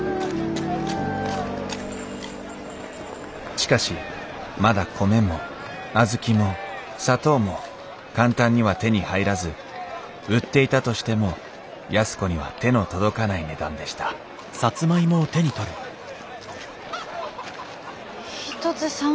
しかしまだ米も小豆も砂糖も簡単には手に入らず売っていたとしても安子には手の届かない値段でした一つ３円ですか？